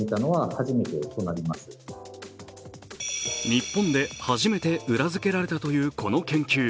日本で初めて裏づけられたというこの研究。